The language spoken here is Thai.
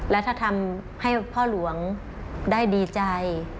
และถ้าทำให้พ่อหลวงได้ดีใจ